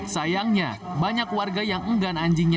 sayangnya banyak warga yang enggan anjingnya